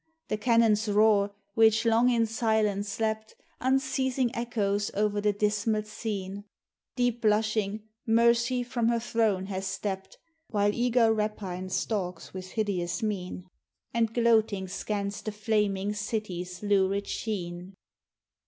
The cannon's roar which long in silence slept, Unceasing echoes o'er the dismal scene; Deep blushing, Mercy from her throne has stept, While eager Rapine stalks with hideous mien, And gloating scan's the flaming city's lurid sheen.